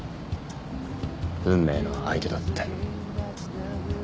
運命の相手だって。